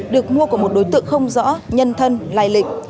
được mua của một đối tượng không rõ nhân thân lai lịch